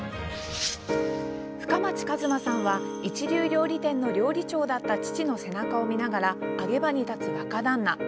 深町一真さんは一流料理店の料理長だった父の背中を見ながら揚げ場に立つ若旦那。